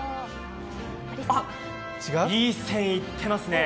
あっ、いい線いってますね。